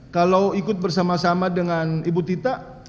kalau ikut bersama sama dengan ibu tita